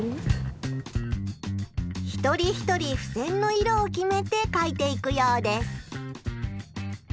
一人一人ふせんの色を決めて書いていくようです。